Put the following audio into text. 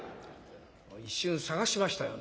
一瞬探しましたよ